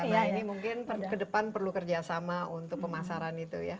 nah ini mungkin ke depan perlu kerjasama untuk pemasaran itu ya